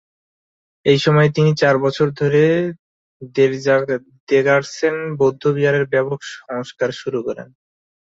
এইসময় তিনি চার বছর ধরে র্দ্জোগ্স-ছেন বৌদ্ধবিহারের ব্যাপক সংস্কার শুরু করেন।